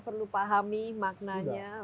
perlu pahami maknanya